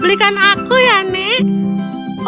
belikan aku ya nek